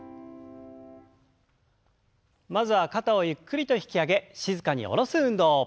まずは肩をゆっくりと引き上げ静かに下ろす運動。